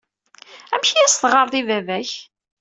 Amek ay as-teɣɣareḍ i baba-k?